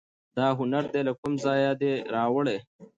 دا هنر دي له کوم ځایه دی راوړی